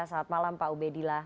selamat malam pak ubedillah